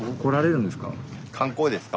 観光ですか？